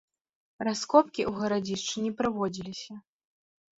Раскопкі ў гарадзішчы не праводзіліся.